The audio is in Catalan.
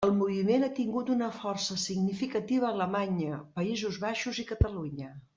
El moviment ha tingut una força significativa a Alemanya, Països Baixos i Catalunya.